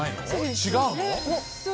違うの？